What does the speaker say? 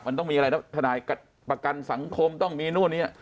มันต้องมีอะไรแล้วทนายประกันสังคมต้องมีนู่นนี่